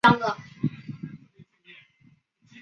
已开垦的土地大部分在邦果区。